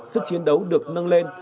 sức chiến đấu được nâng lên